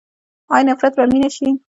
آیا نفرت به مینه شي؟